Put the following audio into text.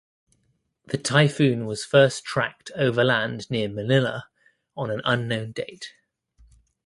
The typhoon was first tracked overland near Manila on an unknown date.